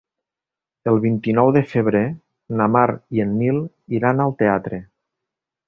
El vint-i-nou de febrer na Mar i en Nil iran al teatre.